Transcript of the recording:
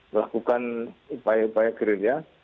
melakukan upaya upaya gerenya